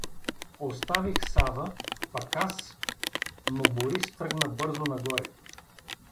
Оставих Сава, пък аз… Но Борис тръгна бързо нагоре.